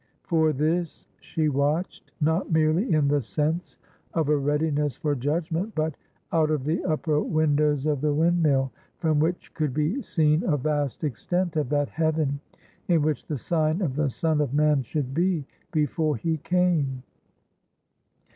For this she watched—not merely in the sense of a readiness for judgment, but—out of the upper windows of the windmill, from which could be seen a vast extent of that heaven in which the sign of the Son of Man should be, before He came.